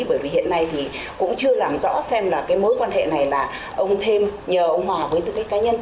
bởi vì hiện nay thì cũng chưa làm rõ xem là cái mối quan hệ này là ông thêm nhờ ông hòa với tư cách cá nhân